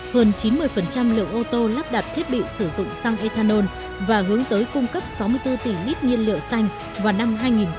hơn chín mươi lượng ô tô lắp đặt thiết bị sử dụng xăng ethanol và hướng tới cung cấp sáu mươi bốn tỷ lít nhiên liệu xanh vào năm hai nghìn hai mươi